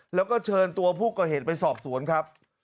แล้วก็เชิญตัวผู้ก่อเหตุไปสอบสวนครับ